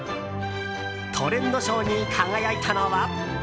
トレンド賞に輝いたのは。